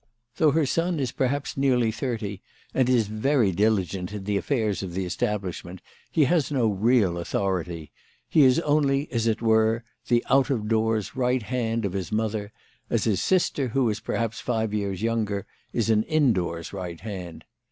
Though her son is perhaps nearly thirty, and is very diligent in the affairs of the establishment, he has no real authority. He is only, as it were, the out of doors right hand of his mother, as his sister, who is perhaps five years younger, is an in doors right hand.